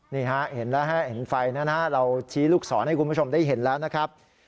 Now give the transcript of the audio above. นี่เห็นไฟเราชี้ลูกศรให้คุณผู้ชมได้เห็นแล้วนะครับ